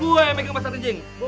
gue yang megang pasar kejing